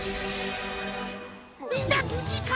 みんなぶじか？